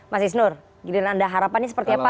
mas isnur giliran anda harapannya seperti apa